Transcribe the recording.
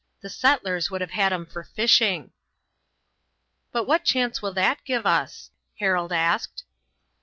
The settlers would have had 'em for fishing." "But what chance will that give us?" Harold asked.